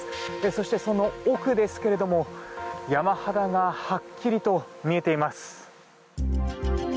そして、その奥ですけれども山肌がはっきりと見えています。